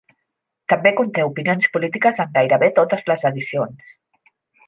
També conté opinions polítiques en gairebé totes les edicions.